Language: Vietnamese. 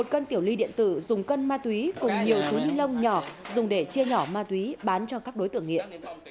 một cân tiểu ly điện tử dùng cân ma túy cùng nhiều túi ni lông nhỏ dùng để chia nhỏ ma túy bán cho các đối tượng nghiện